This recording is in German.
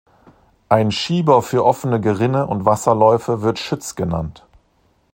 Ein Schieber für offene Gerinne und Wasserläufe wird Schütz genannt.